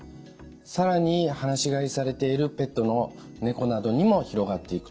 更に放し飼いされているペットの猫などにも広がっていくと。